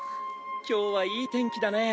今日はいい天気だね。